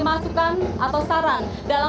masukan atau saran dalam